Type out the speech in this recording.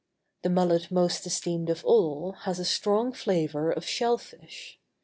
The mullet most esteemed of all has a strong flavor of shell fish.